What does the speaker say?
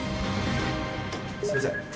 すみません。